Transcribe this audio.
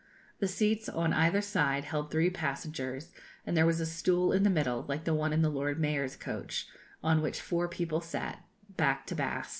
The seats on either side held three passengers, and there was a stool in the middle, like the one in the Lord Mayor's coach, on which four people sat, back to bask.